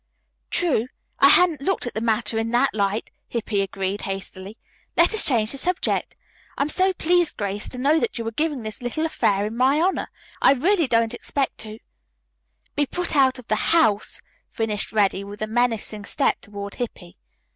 "True; I hadn't looked at the matter in that light," Hippy agreed hastily. "Let us change the subject. I am so pleased, Grace, to know that you are giving this little affair in my honor. I really didn't expect to " "Be put out of the house," finished Reddy with a menacing step toward Hippy.